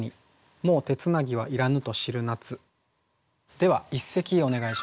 では一席お願いします。